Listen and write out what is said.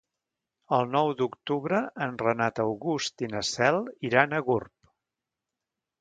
El nou d'octubre en Renat August i na Cel iran a Gurb.